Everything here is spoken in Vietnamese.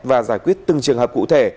và giải quyết từng trường hợp cụ thể